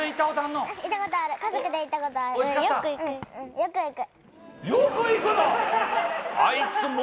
よく行くの！？